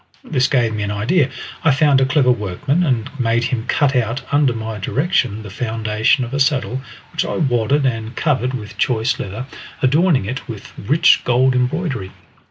This gave me an idea. I found a clever workman, and made him cut out under my direction the foundation of a saddle, which I wadded and covered with choice leather, adorning it with rich gold embroidery.